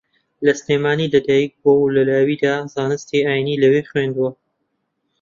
لە سلێمانی لەدایکبووە و لە لاویدا زانستی ئایینی لەوێ خوێندووە